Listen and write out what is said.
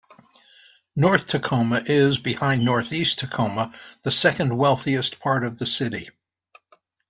North Tacoma is, behind Northeast Tacoma, the second wealthiest part of the city.